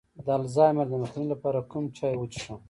د الزایمر د مخنیوي لپاره کوم چای وڅښم؟